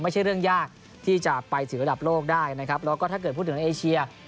ไม่ใช่เรื่องยากที่จะไปถึงระดับโลกได้นะครับแล้วก็ถ้าเกิดพูดถึงในเอเชีย